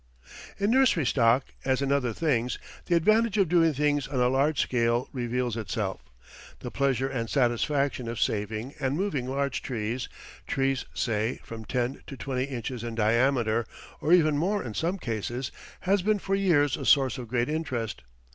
In nursery stock, as in other things, the advantage of doing things on a large scale reveals itself. The pleasure and satisfaction of saving and moving large trees trees, say, from ten to twenty inches in diameter, or even more in some cases has been for years a source of great interest.